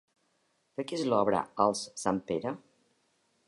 De qui és l'obra Als Santpere?